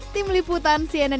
tim liputan cnnn